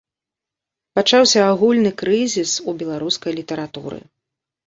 Пачаўся агульны крызіс у беларускай літаратуры.